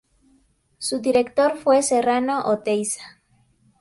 Su director fue Serrano Oteiza.